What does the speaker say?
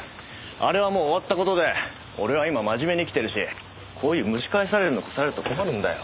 あれはもう終わった事で俺は今真面目に生きてるしこういう蒸し返されるような事されると困るんだよ。